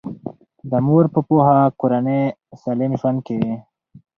د مور په پوهه کورنۍ سالم ژوند کوي.